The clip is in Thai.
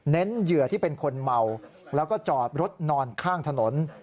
เหยื่อที่เป็นคนเมาแล้วก็จอดรถนอนข้างถนน